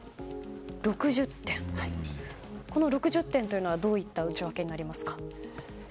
この６０点というのはどういった内訳になりますか？